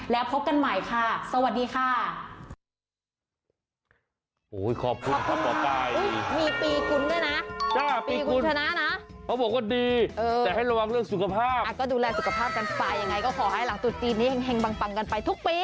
แล้วพบกันใหม่ค่ะสวัสดีค่ะ